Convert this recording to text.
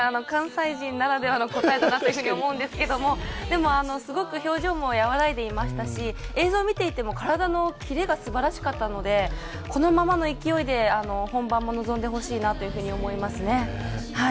関西人ならではの答えだなと思うんですけど、すごく表情も和らいでいましたし映像を見ていても、体のキレがすばらしかったのでこのままの勢いで本番も臨んでほしいなと思います。